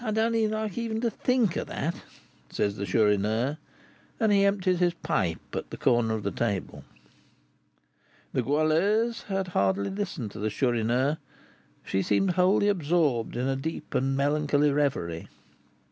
I don't like even to think of that," said the Chourineur, and he emptied his pipe at the corner of the table. The Goualeuse had hardly listened to the Chourineur; she seemed wholly absorbed in a deep and melancholy reverie.